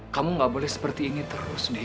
kamu gak boleh seperti ini terus nih